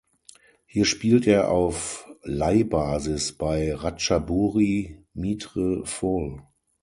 Hier spielt er auf Leihbasis bei Ratchaburi Mitr Phol.